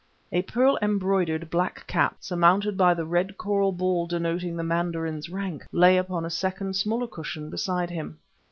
A pearl embroidered black cap, surmounted by the red coral ball denoting the mandarin's rank, lay upon a second smaller cushion beside him.